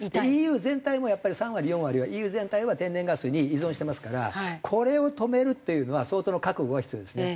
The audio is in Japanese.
ＥＵ全体もやっぱり３割４割はＥＵ全体は天然ガスに依存してますからこれを止めるっていうのは相当の覚悟が必要ですね。